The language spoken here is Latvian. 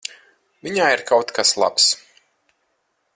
Viņā ir kaut kas labs.